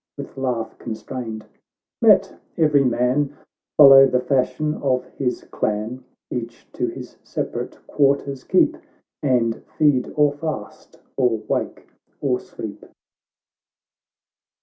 "With laugh constrained, —" Let every man Follow the fashion of his clan ! Each to his separate quarters keep, And feed or fast, or wake or sleep."